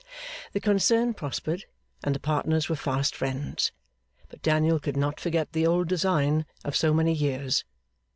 The concern prospered, and the partners were fast friends. But Daniel could not forget the old design of so many years.